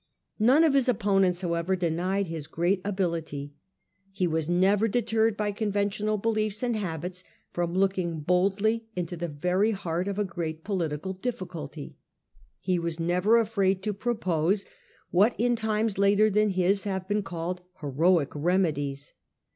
None of his opponents, however, denied his great ability. He was never deterred by conventional beliefs and habits from looking boldly into the very heart of a great political difficulty. He was never afraid to propose what in times later than his have been called heroic remedies.